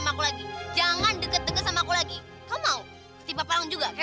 mendingan kamu tuh turutin mama sama papa kamu deh